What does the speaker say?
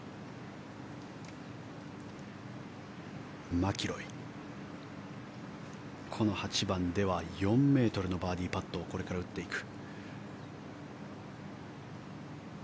マキロイ、この８番では４ｍのバーディーパットをこれから打っていく。